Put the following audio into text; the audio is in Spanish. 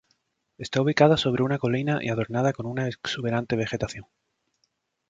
Está ubicada sobre una colina y adornada con una exuberante vegetación.